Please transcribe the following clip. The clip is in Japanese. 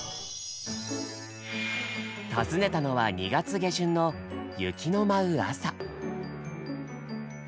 訪ねたのは２月下旬の雪の舞う朝。